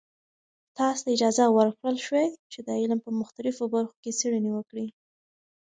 تاسې ته اجازه ورکړل شوې چې د علم په مختلفو برخو کې څیړنې وکړئ.